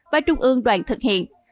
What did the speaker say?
và trung ương đoàn thực hiện